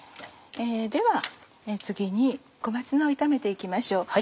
では次に小松菜を炒めて行きましょう。